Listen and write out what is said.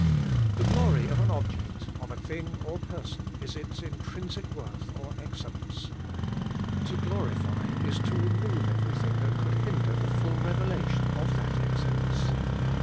The glory of an object, of a thing or person, is its intrinsic worth or excellence : to glorify is to remove everything that could hinder the full revelation of that excellence.